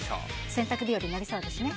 洗濯日和になりそうですね。